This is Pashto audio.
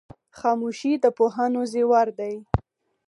خاموشي د پوهانو زیور دی.